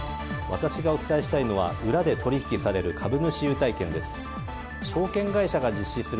私がお伝えしたいのは裏で取引される株主優待券です。